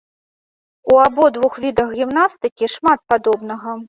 У абодвух відах гімнастыкі шмат падобнага.